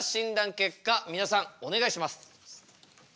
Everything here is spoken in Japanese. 結果皆さんお願いします！